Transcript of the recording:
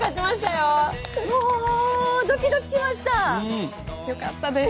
よかったです。